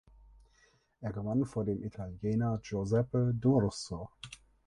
Er gewann vor dem Italiener Giuseppe D’Urso.